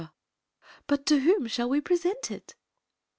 "But to whom shall we present it?"